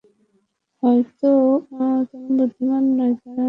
হয়তো ও তেমন বুদ্ধিমান নয়, দাঁড়ান।